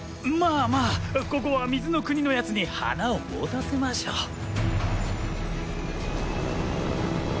まあまあここは水の国のヤツに花を持たせましょう。